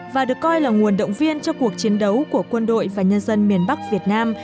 và được coi là nguồn động viên cho cuộc chiến đấu của quân đội và nhân dân miền bắc việt nam